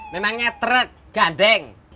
memangnya teret gandeng